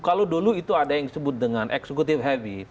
kalau dulu itu ada yang disebut dengan executive heavy